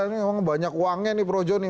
ini emang banyak uangnya nih projose nih